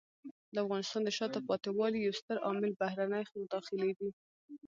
د افغانستان د شاته پاتې والي یو ستر عامل بهرنۍ مداخلې دي.